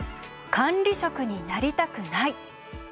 「管理職になりたくない」。